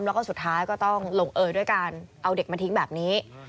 แล้วก็สุดท้ายก็ต้องลงเอยด้วยการเอาเด็กมาทิ้งแบบนี้